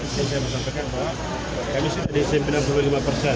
saya menyampaikan bahwa kami sudah di sembilan puluh lima persen